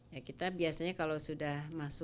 ya kita biasanya kalau sudah masuk ke situ